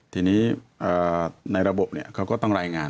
ทีนี้ในระบบเขาก็ต้องรายงาน